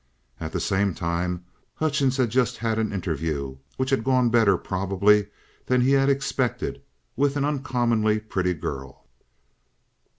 At the same time, Hutchings had just had an interview, which had gone better probably than he had expected, with an uncommonly pretty girl.